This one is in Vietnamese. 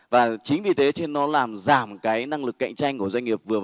cần được giải pháp